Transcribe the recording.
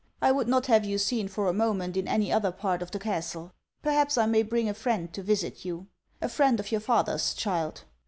I would not have you seen for a moment in any other part of the castle. Perhaps I may bring a friend to visit you. A friend of your father's, child.